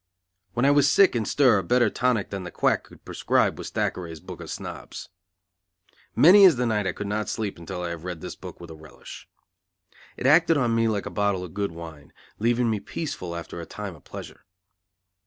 When I was sick in stir a better tonic than the quack could prescribe was Thackeray's Book of Snobs. Many is the night I could not sleep until I had read this book with a relish. It acted on me like a bottle of good wine, leaving me peaceful after a time of pleasure.